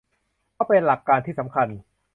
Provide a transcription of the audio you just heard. เพราะเป็นหลักการที่สำคัญ